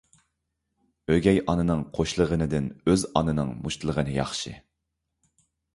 ئۆگەي ئانىنىڭ قۇشلىغىنىدىن ئۆز ئانىنىڭ مۇشتلىغىنى ياخشى.